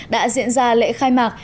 đã diễn ra lễ khai mạc